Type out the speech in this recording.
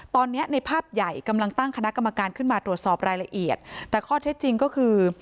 ตอนนี้ในภาพใหญ่กำลังตั้งคณะกรรมการขึ้นมาตรวจสอบรายละเอียดแต่ข้อเท็จจริงก็คือ